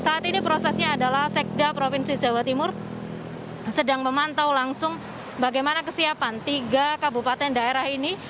saat ini prosesnya adalah sekda provinsi jawa timur sedang memantau langsung bagaimana kesiapan tiga kabupaten daerah ini